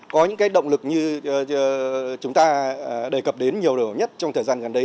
có những động lực như chúng ta đề cập đến nhiều điều nhất trong thời gian gần đây